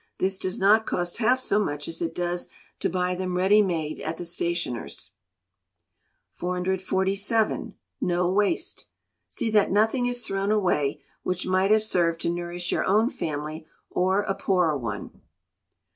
This does not cost half so much as it does to buy them ready made at the stationer's. 447. No Waste. See that nothing is thrown away which might have served to nourish your own family or a poorer one.